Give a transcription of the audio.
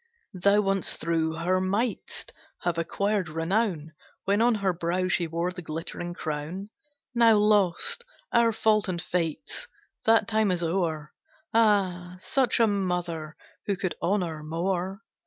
Thou once through her mightst have acquired renown, When on her brow she wore the glittering crown, Now lost! Our fault, and Fate's! That time is o'er; Ah, such a mother who could honor, more?